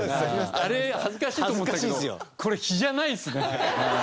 あれ恥ずかしいと思ったけどこれ比じゃないですね。